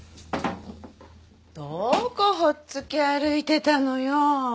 どこほっつき歩いてたのよ。